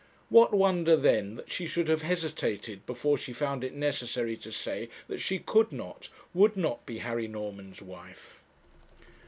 What wonder then that she should have hesitated before she found it necessary to say that she could not, would not, be Harry Norman's wife?